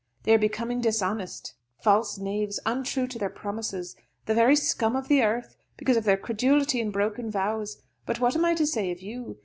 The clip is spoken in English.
They are becoming dishonest, false knaves, untrue to their promises, the very scum of the earth, because of their credulity and broken vows; but what am I to say of you?